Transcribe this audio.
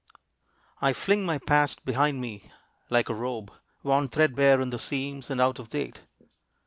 I fling my past behind me, like a robe Worn threadbare in the seams, and out of date.